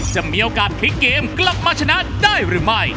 จะมีโอกาสพลิกเกมกลับมาชนะได้หรือไม่